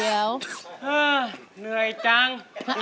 อ้าวเหนื่อยจัง